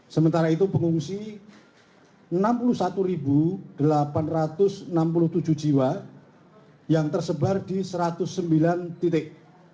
sementara itu pengungsi enam puluh satu delapan ratus enam puluh tujuh jiwa yang tersebar di satu ratus sembilan titik